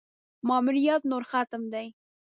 ماموریت نور ختم دی.